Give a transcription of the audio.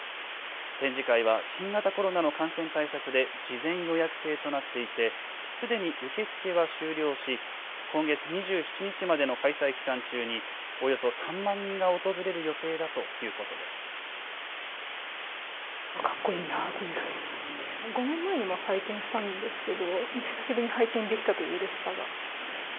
展示会は新型コロナの感染対策で事前予約制となっていて、すでに受け付けは終了し、今月２７日までの開催期間中に、およそ３万人が訪れる予定だということです。